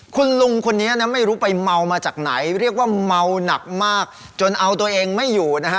คุณลุงคนนี้นะไม่รู้ไปเมามาจากไหนเรียกว่าเมาหนักมากจนเอาตัวเองไม่อยู่นะฮะ